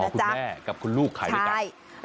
คุณแม่กับคุณลูกขายด้วยกัน